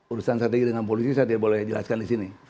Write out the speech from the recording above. urusan strategi dengan polisi saya tidak boleh jelaskan di sini